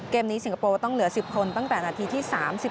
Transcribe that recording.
นี้สิงคโปร์ต้องเหลือ๑๐คนตั้งแต่นาทีที่๓๔